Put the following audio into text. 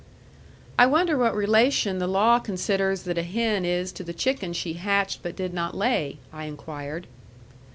"I wonder what relation the law considers that a hen is to the chicken she hatched but did not lay?" I inquired.